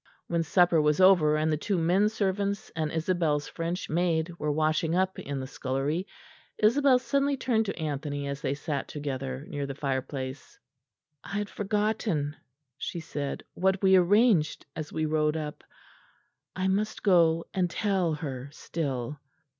When supper was over, and the two men servants and Isabel's French maid were washing up in the scullery, Isabel suddenly turned to Anthony as they sat together near the fireplace. "I had forgotten," she said, "what we arranged as we rode up. I must go and tell her still."